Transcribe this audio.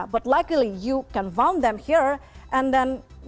tapi semoga anda bisa menemukan mereka di sini